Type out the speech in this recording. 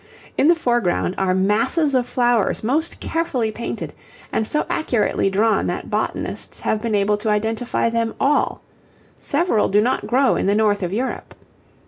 In the foreground are masses of flowers most carefully painted, and so accurately drawn that botanists have been able to identify them all; several do not grow in the north of Europe.